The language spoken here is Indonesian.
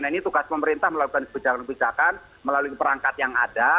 nah ini tugas pemerintah melakukan sebuah jalan perjalanan melalui perangkat yang ada